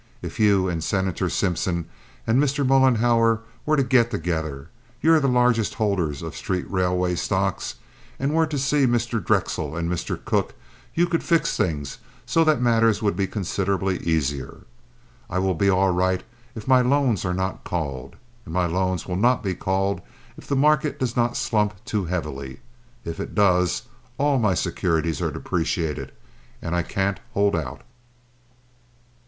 If you and Senator Simpson and Mr. Mollenhauer were to get together—you're the largest holders of street railway stocks—and were to see Mr. Drexel and Mr. Cooke, you could fix things so that matters would be considerably easier. I will be all right if my loans are not called, and my loans will not be called if the market does not slump too heavily. If it does, all my securities are depreciated, and I can't hold out."